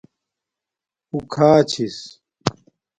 اُو کھا چھس